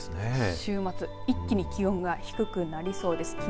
週末、一気に気温が低くなりそうです。